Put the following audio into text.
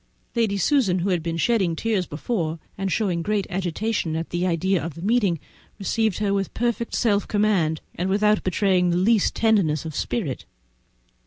Lady Susan, who had been shedding tears before, and showing great agitation at the idea of the meeting, received her with perfect self command, and without betraying the least tenderness of spirit.